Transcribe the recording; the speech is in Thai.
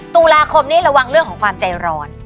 ตุลาคมนี้ระวังเรื่องของความใจร้อน